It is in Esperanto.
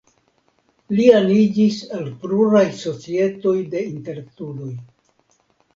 Li aniĝis al pluraj societoj de intelektuloj.